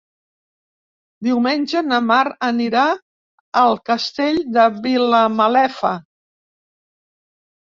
Diumenge na Mar anirà al Castell de Vilamalefa.